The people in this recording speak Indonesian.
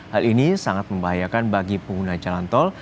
hal ini sangat membahayakan bagi pengguna jalan tol